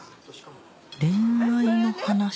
恋愛の話？